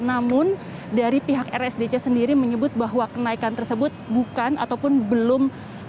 namun dari pihak rsdc sendiri menyebut bahwa kenaikan tersebut bukan ataupun belum